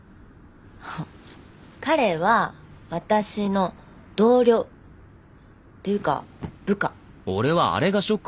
彼は私の同僚。っていうか部下。